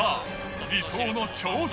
理想の朝食。